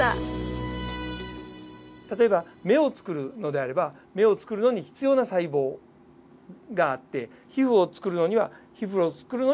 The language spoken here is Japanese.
例えば目を作るのであれば目を作るのに必要な細胞があって皮膚を作るのには皮膚を作るのに必要な細胞がある。